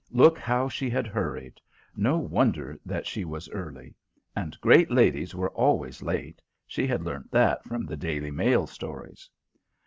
Look how she had hurried. No wonder that she was early. And great ladies were always late: she had learnt that from the Daily Mail stories.